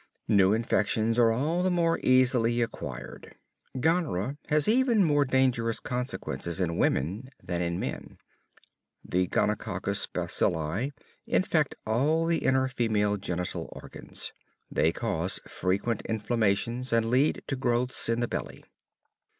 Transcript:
New infections are all the more easily acquired. Gonorrhea has even more dangerous consequences in women than in men. The gonococcus bacilli infect all the inner female genital organs. They cause frequent inflammations and lead to growths in the belly.